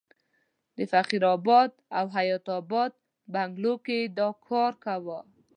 په فقیر اباد او حیات اباد بنګلو کې یې دا کار کاوه.